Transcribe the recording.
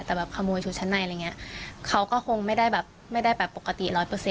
แต่โดนจุดชนะเขาก็คงไม่ได้ปกติ๑๐๐